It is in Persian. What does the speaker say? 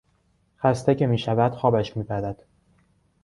خسته که میشود خوابش میبرد.